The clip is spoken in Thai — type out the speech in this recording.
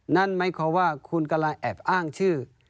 นั่นหมายความว่าคุณกำลังแอบอ้างชื่อ